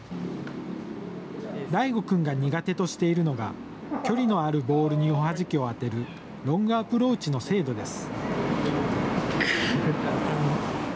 大護君が苦手としているのが距離のあるボールにおはじきを当てるロングアプローチの精度です。